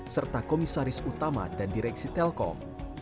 serta komisaris utama dan direksi telkom